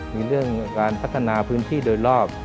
มีเรื่องการพัฒนาพื้นที่โดยรอบ